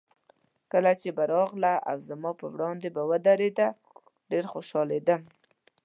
کله چې به راغله او زما په وړاندې به ودرېده، ډېر خوشحالېدم.